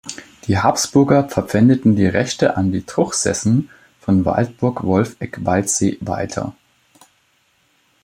Die Habsburger verpfändeten die Rechte an die Truchsessen von Waldburg-Wolfegg-Waldsee weiter.